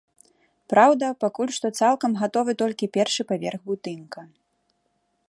Праўда, пакуль што цалкам гатовы толькі першы паверх будынка.